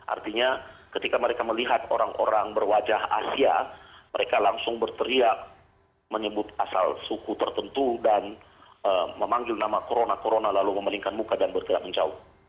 artinya ketika mereka melihat orang orang berwajah asia mereka langsung berteriak menyebut asal suku tertentu dan memanggil nama corona corona lalu memelingkan muka dan bergerak menjauh